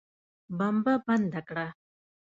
بمبه بنده کړه.